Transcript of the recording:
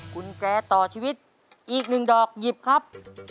กุญแจต่อชีวิตอีกหนึ่งดอกหยิบครับ